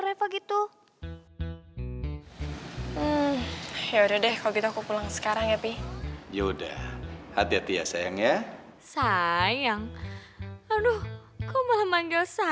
iya nih dik bannya kempes